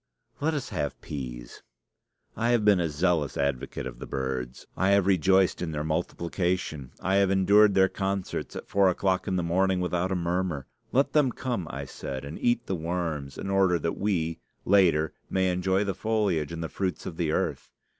Let us have peas. I have been a zealous advocate of the birds. I have rejoiced in their multiplication. I have endured their concerts at four o'clock in the morning without a murmur. Let them come, I said, and eat the worms, in order that we, later, may enjoy the foliage and the fruits of the earth.